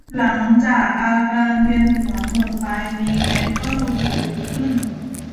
หลังจากอาการเวียนหัวหมดไป เมแกนก็รู้สึกดีขึ้น